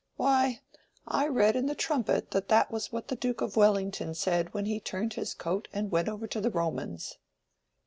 "Why, I read in the 'Trumpet' that was what the Duke of Wellington said when he turned his coat and went over to the Romans."